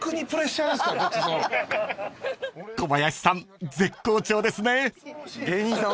［小林さん絶好調ですね］